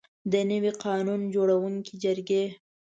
د نوي قانون جوړوونکي جرګې.